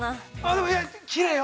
でも、きれいよ。